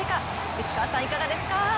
内川さん、いかがですか？